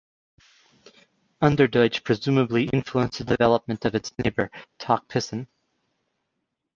Unserdeutsch presumably influenced the development of its neighbour, Tok Pisin.